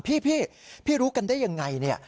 พี่พี่รู้กันได้อย่างไร